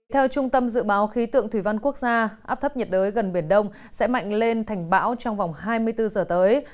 theo trung tâm dự báo khí tượng thủy văn quốc gia áp thấp nhiệt đới gần biển đông sẽ mạnh lên thành bão trong vòng hai mươi bốn giờ tới